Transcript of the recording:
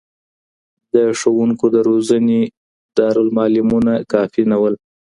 د ښوونکو د روزنې دارالمعلمینونه کافي نه وو.